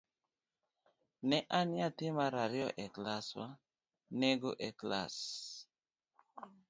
Ne an nyathi mar ariyo e klaswa, ne - go e klas.